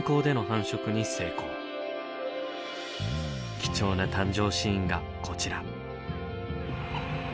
貴重な誕生シーンがこちら。